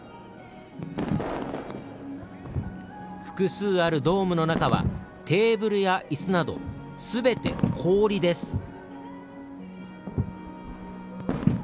複数あるドームの中はテーブルや、いすなどすべて氷です。